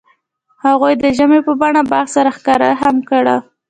هغوی د ژمنې په بڼه باغ سره ښکاره هم کړه.